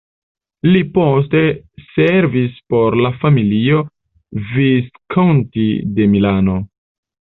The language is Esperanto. Li poste servis por la familio Visconti de Milano.